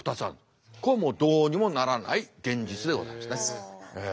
これどうにもならない現実でございますね。